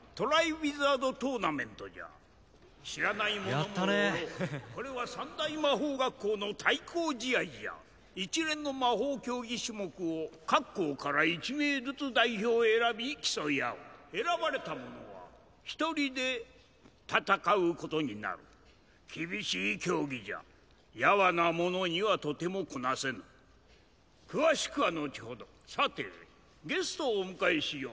ウィザード・トーナメントじゃ知らない者もおろうやったねヘヘッこれは三大魔法学校の対抗試合じゃ一連の魔法競技種目を各校から１名ずつ代表を選び競い合う選ばれた者は１人で戦うことになる厳しい競技じゃやわな者にはとてもこなせぬ詳しくはのちほどさてゲストをお迎えしよう